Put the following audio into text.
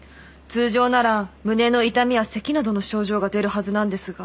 通常なら胸の痛みやせきなどの症状が出るはずなんですが。